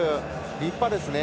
立派ですね。